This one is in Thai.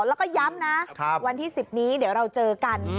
แล้วก็ย้ำนะวันที่๑๐นี้เดี๋ยวเราเจอกัน